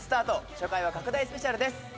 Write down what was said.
初回は拡大スペシャルです。